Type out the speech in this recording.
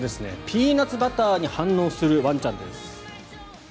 ピーナツバターに反応するワンちゃんです。